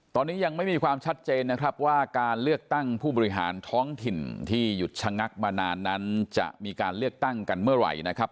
ตอนนี้ยังไม่มีความชัดเจนนะครับว่าการเลือกตั้งผู้บริหารท้องถิ่นที่หยุดชะงักมานานนั้นจะมีการเลือกตั้งกันเมื่อไหร่นะครับ